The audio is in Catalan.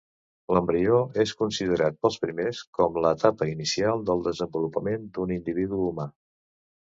L'embrió és considerat pels primers com l'etapa inicial del desenvolupament d'un individu humà.